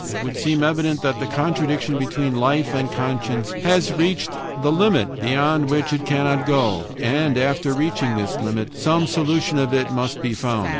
It would seem evident that the contradiction between life and conscience had reached the limit beyond which it cannot go, and after reaching this limit some solution of it must be found.